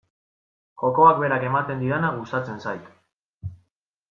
Jokoak berak ematen didana gustatzen zait.